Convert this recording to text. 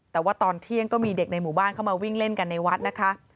แต่ว่าตอนเที่ยงก็มีเด็กในหมู่บ้านเข้ามาวิ่งเล่นกันในวัดนะคะ